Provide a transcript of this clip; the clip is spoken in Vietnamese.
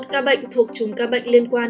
một ca bệnh thuộc chùm ca bệnh liên quan